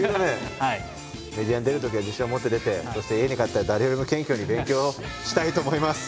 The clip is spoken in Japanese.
メディアに出るときは自信を持って出てそして家に帰ったら誰よりも謙虚に勉強をしたいと思います。